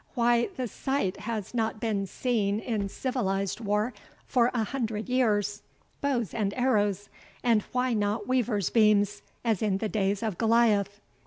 why, the sight has not been seen in civilized war for a hundred years. Bows and arrows! and why not weavers' beams, as in the days of Goliah?